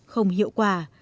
không hiệu quả